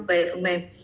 về phần mềm